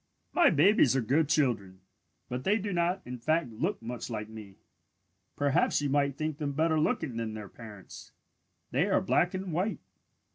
"My babies are good children, but they do not in fact look much like me. Perhaps you might think them better looking than their parents. They are black and white.